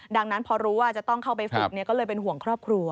ดังนั้นพอรู้ว่าจะต้องเข้าไปฝึกก็เลยเป็นห่วงครอบครัว